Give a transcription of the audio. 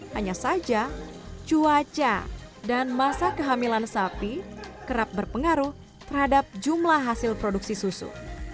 hanya saja cuaca dan masa kehamilan sapi kerap berpengaruh terhadap jumlah hasil produksi susu